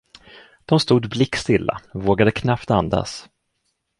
De stod blick stilla, vågade knappt andas.